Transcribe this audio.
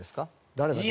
誰だと。